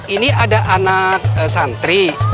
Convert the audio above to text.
ini ada anak santri